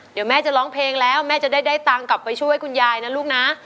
เดี๋ยวแม่จะร้องเพลงแล้วแม่จะได้ตังค์กลับไปช่วยคุณยายนะลูกนะ